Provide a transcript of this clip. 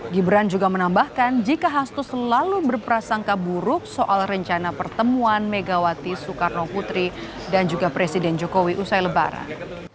gibran juga menambahkan jika hastu selalu berprasangka buruk soal rencana pertemuan megawati soekarno putri dan juga presiden jokowi usai lebaran